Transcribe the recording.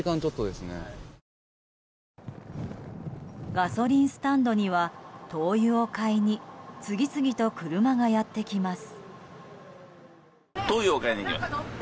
ガソリンスタンドには灯油を買いに次々と車がやってきます。